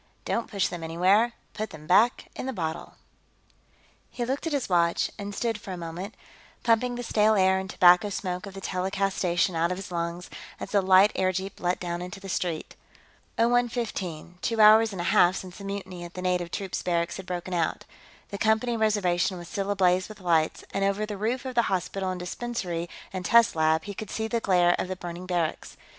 Don't Push Them Anywhere Put Them Back in the Bottle He looked at his watch, and stood for a moment, pumping the stale air and tobacco smoke of the telecast station out of his lungs, as the light airjeep let down into the street. Oh one fifteen two hours and a half since the mutiny at the native troops barracks had broken out. The Company reservation was still ablaze with lights, and over the roof of the hospital and dispensary and test lab he could see the glare of the burning barracks.